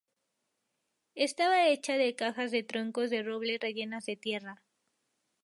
Estaba hecha de cajas de troncos de roble rellenas de tierra.